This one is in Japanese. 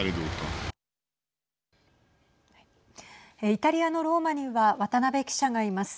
イタリアのローマには渡辺記者がいます。